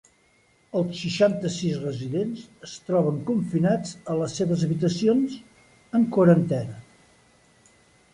Els seixanta-sis residents es troben confinats a les seves habitacions, en quarantena.